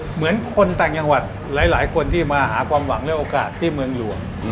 เหมือนคนต่างจังหวัดหลายคนที่มาหาความหวังและโอกาสที่เมืองหลวง